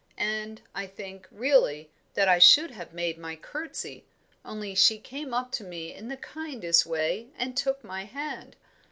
And, I think, really, that I should have made my curtsy, only she came up to me in the kindest way and took my hand.